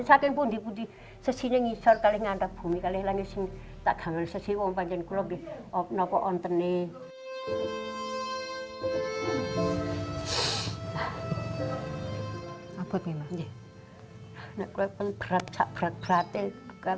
apa itu ibu